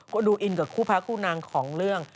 ก็ดูอินกับคู่พระคู่นางของเรื่อง